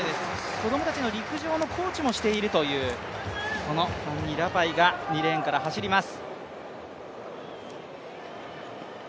子供たちの陸上のコーチもしているというこのファンニ・ラパイが２レーンから走ります。